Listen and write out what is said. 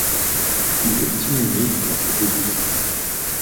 Il est inhumé dans cette église.